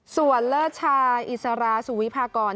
ส่วนเลิศชายอิสราสุวิพากร